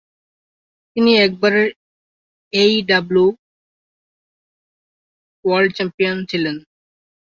তিনি একবারের AEW world champion ছিলেন।